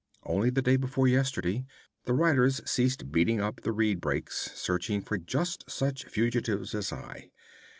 Only the day before yesterday the riders ceased beating up the reed brakes, searching for just such fugitives as I.